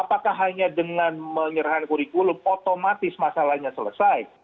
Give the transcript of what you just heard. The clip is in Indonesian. apakah hanya dengan menyerahkan kurikulum otomatis masalahnya selesai